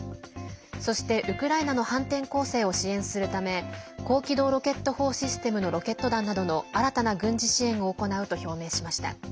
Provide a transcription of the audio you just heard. そして、ウクライナの反転攻勢を支援するため高機動ロケット砲システムのロケット弾などの新たな軍事支援を行うと表明しました。